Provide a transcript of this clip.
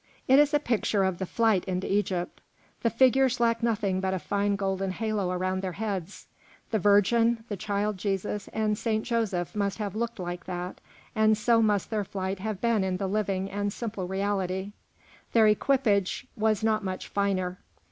It is a picture of the Flight into Egypt; the figures lack nothing but a fine golden halo around their heads. The Virgin, the Child Jesus, and Saint Joseph must have looked like that, and so must their flight have been in the living and simple reality; their equipage was not much finer.